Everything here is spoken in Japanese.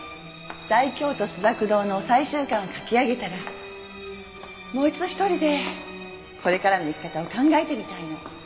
『大京都朱雀堂』の最終巻を書き上げたらもう一度１人でこれからの生き方を考えてみたいの。